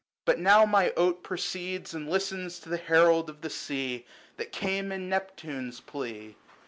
But now my oat proceeds, And listens to the Herald of the Sea, That came in Neptune's plea.